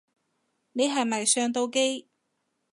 你係咪上到機